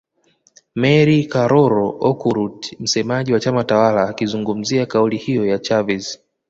Mary Karoro Okurut msemaji wa chama tawala akizungumzia kauli hiyo ya Chavez